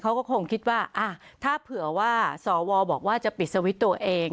เขาก็คงคิดว่าถ้าเผื่อว่าสวบอกว่าจะปิดสวิตช์ตัวเอง